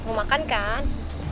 mau makan kan